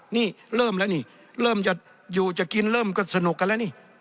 นี่เริ่มแล้วนี่เริ่มจะอยู่จะกินเริ่มก็สนุกกันแล้วนี่